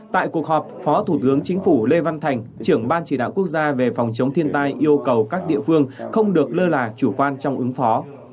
tại cuộc họp phó thủ tướng chính phủ lê văn thành trưởng ban chỉ đạo quốc gia về phòng chống thiên tai yêu cầu các địa phương không được lơ là chủ quan trong ứng phó